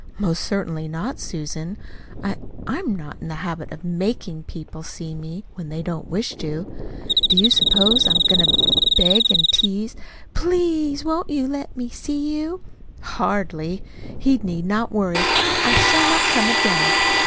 "Most certainly not, Susan! I I am not in the habit of MAKING people see me, when they don't wish to. Do you suppose I'm going to beg and tease: 'PLEASE won't you let me see you?' Hardly! He need not worry. I shall not come again."